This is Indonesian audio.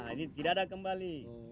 ini tidak ada kembali